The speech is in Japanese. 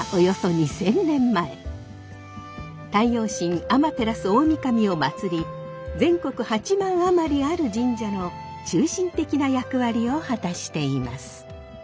太陽神天照大神を祭り全国８万余りある神社の中心的な役割を果たしています。